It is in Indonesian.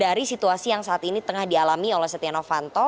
dari situasi yang saat ini tengah dialami oleh setia novanto